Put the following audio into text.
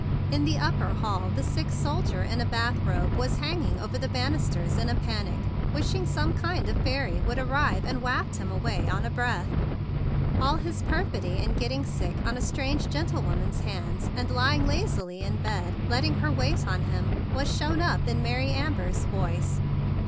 In the upper hall the sick soldier in a bathrobe was hanging over the banis¬ ters in a panic, wishing some kind fairy would arrive and waft him away on a breath. All his perfidy in getting sick on a strange gentlewoman's hands and THE BIG BLUE SOLDIER 93 lying lazily in bed, letting her wait on him, was shown up in Mary Amber's voice.